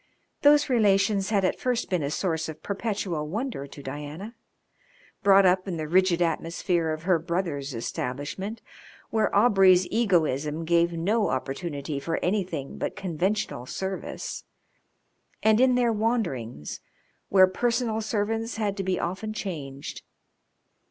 Those relations had at first been a source of perpetual wonder to Diana, brought up in the rigid atmosphere of her brother's establishment, where Aubrey's egoism gave no opportunity for anything but conventional service, and in their wanderings, where personal servants had to be often changed.